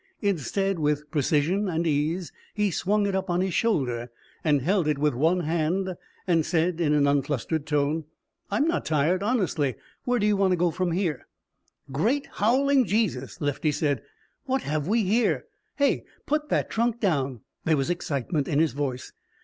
Instead, with precision and ease, he swung it up on his shoulder, held it with one hand and said in an unflustered tone: "I'm not tired, honestly. Where do we go from here?" "Great howling Jesus!" Lefty said, "what have we here? Hey! Put that trunk down." There was excitement in his voice.